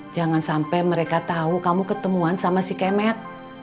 jangan sampai mereka tahu kamu ketemuan sama si kemet